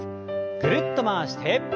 ぐるっと回して。